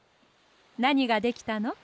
なにができたの？